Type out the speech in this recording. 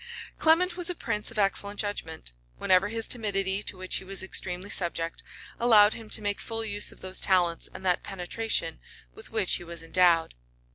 Clement was a prince of excellent judgment, whenever his timidity, to which he was extremely subject, allowed him to make full use of those talents and that penetration with which he was endowed.